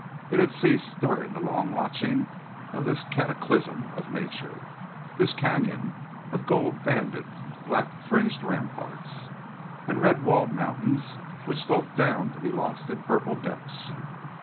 It had ceased during the long watching of this cataclysm of nature, this canyon of gold banded black fringed ramparts, and red walled mountains which sloped down to be lost in purple depths.